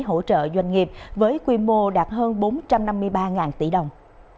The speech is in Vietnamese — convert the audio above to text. hỗ trợ doanh nghiệp với quy mô đạt hơn bốn trăm năm mươi ba tỷ đồng